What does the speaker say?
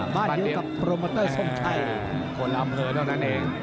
บ้านชิคกะทศโตจะเฉิน